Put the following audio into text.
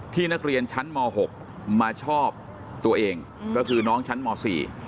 นักเรียนชั้นม๖มาชอบตัวเองก็คือน้องชั้นมสี่